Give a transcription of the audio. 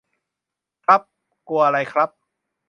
ครับ กลัวอะไรครับ ?